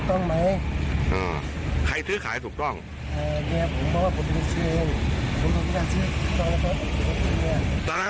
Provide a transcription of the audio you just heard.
ตอนนั้นเราซื้อให้เมียราคาเท่าไหร่